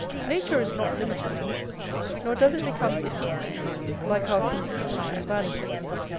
Nature not limited, nor does it become effete, like our conceit and vanity.